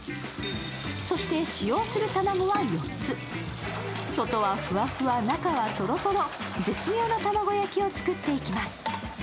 そして使用する卵は４つ、外はふわふわ、中はとろとろ、絶妙な卵焼きを作っていきます。